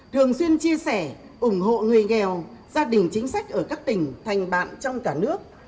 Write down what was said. thường xuyên chia sẻ ủng hộ người nghèo gia đình chính sách ở các tỉnh thành bạn trong cả nước